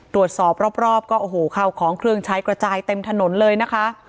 ตรวจสอบรอบของเครื่องใช้กระจายเต็มถนนเลยนะคะ